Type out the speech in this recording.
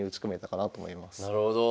なるほど。